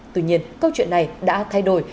tuy nhiên câu chuyện này đã thay đổi